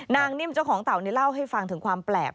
นิ่มเจ้าของเต่านี่เล่าให้ฟังถึงความแปลก